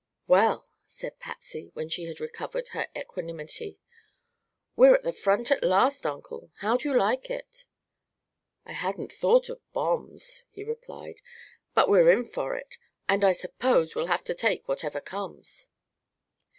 "Well," said Patsy, when she had recovered her equanimity, "we're at the front at last, Uncle. How do you like it?" "I hadn't thought of bombs," he replied. "But we're in for it, and I suppose we'll have to take whatever comes."